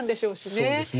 そうですね。